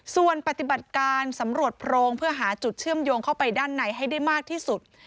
ส่วนปฏิบัติการสำรวจโพรงเพื่อหาจุดเชื่อมโยงเข้าไปด้านในให้ได้มากที่สุด